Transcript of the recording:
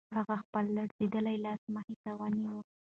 هغه خپل لړزېدلی لاس مخې ته ونیو.